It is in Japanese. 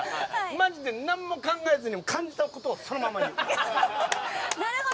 マジで何も考えずに感じたことをそのまま言う。